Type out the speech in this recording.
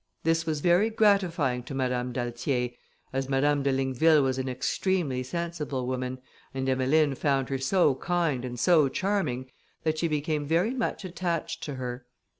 This was very gratifying to Madame d'Altier, as Madame de Ligneville was an extremely sensible woman, and Emmeline found her so kind and so charming, that she became very much attached to her.